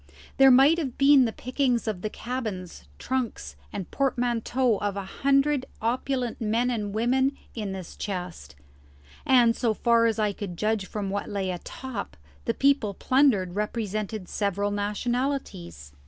There might have been the pickings of the cabins, trunks, and portmanteaux of a hundred opulent men and women in this chest, and, so far as I could judge from what lay atop, the people plundered represented several nationalities.